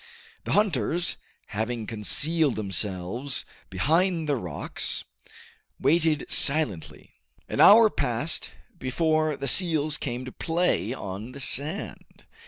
The hunters, having concealed themselves behind the rocks, waited silently. An hour passed before the seals came to play on the sand.